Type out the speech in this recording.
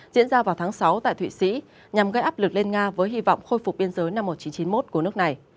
diễn ra vào tháng sáu tại thụy sĩ nhằm gây áp lực lên nga với hy vọng khôi phục biên giới năm một nghìn chín trăm chín mươi một của nước này